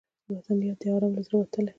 د وطن یاد دې ارام له زړه لوټلی